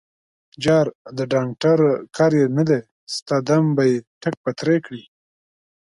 _جار، د ډانګټر کار يې نه دی، ستا دم به يې ټک پتری کړي.